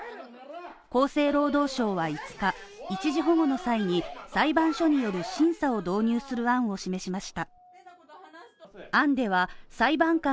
厚生労働省は５日、一時保護の際に裁判所による審査を導入する案を示しました。